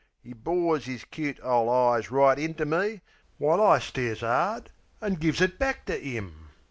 'E bores 'is cute ole eyes right into me, While I stares 'ard an' gives it back to 'im.